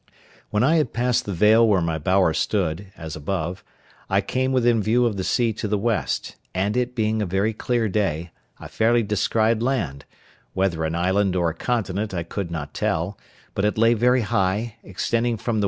When I had passed the vale where my bower stood, as above, I came within view of the sea to the west, and it being a very clear day, I fairly descried land—whether an island or a continent I could not tell; but it lay very high, extending from the W.